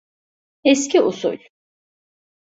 Eski usul.